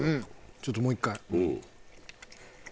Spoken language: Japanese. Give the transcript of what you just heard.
ちょっともう１回。